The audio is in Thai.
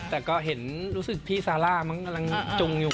แต่ก็เห็นรู้สึกพี่ซาร่ามั้งกำลังจุงอยู่